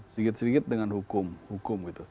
sedikit sedikit dengan hukum